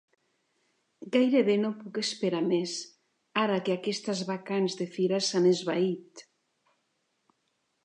Gairebé no puc esperar més, ara que aquestes bacants de fira s'han esvaït.